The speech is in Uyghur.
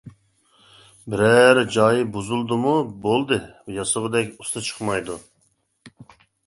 بىرەر جايى بۇزۇلدىمۇ، بولدى، ياسىغۇدەك ئۇستا چىقمايدۇ.